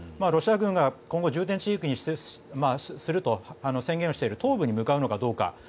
ロシア軍が今後重点地域にすると宣言をしている東部に向かうのかどうか。